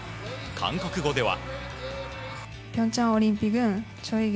韓国語では。